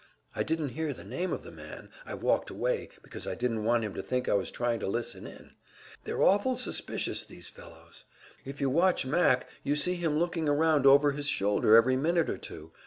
I didn't hear the name of the man I walked away, because I didn't want him to think I was trying to listen in. They're awful suspicious, these fellows; if you watch Mac you see him looking around over his shoulder every minute or two.